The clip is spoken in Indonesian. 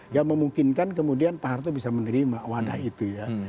yang memungkinkan kemudian pak harto bisa menerima wadah itu ya